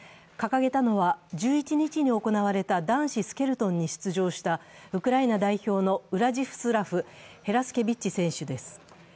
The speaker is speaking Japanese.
掲げたのは１１日に行われた男子スケルトンに出場したウクライナ代表のウラジスラフ・ヘラスケビッチ選手です。